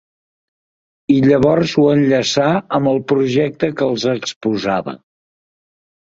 I llavors ho enllaçà amb el projecte que els exposava.